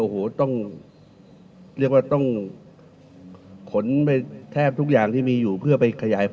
โอ้โหต้องเรียกว่าต้องขนไปแทบทุกอย่างที่มีอยู่เพื่อไปขยายผล